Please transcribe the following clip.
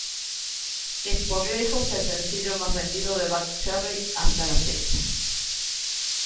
Es por lejos el sencillo más vendido de Buckcherry hasta la fecha.